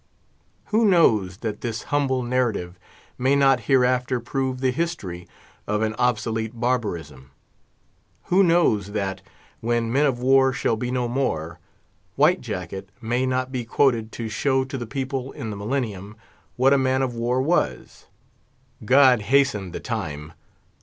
Who knows that this humble narrative may not hereafter prove the history of an obsolete barbarism? Who knows that, when men of war shall be no more, "White Jacket" may not be quoted to show to the people in the Millennium what a man of war was? God hasten the time!